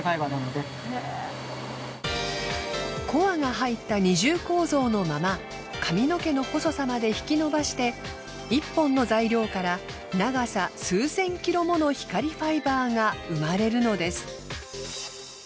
コアが入った二重構造のまま髪の毛の細さまで引き伸ばして１本の材料から長さ数千ｋｍもの光ファイバーが生まれるのです。